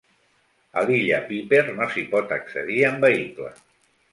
A l'illa Piper no s'hi pot accedir amb vehicle.